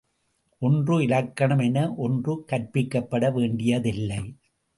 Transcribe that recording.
ஒன்று இலக்கணம் என ஒன்று கற்பிக்கப்பட வேண்டியதில்லை.